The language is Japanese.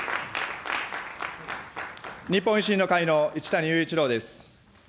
日本維新の会の一谷勇一郎です。